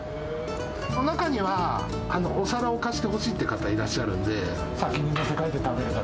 中には、お皿を貸してほしいって方、いらっしゃるんで。